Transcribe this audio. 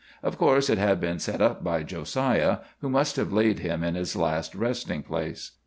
Of course it had been set up by Josiah, who must have laid him in his last resting place.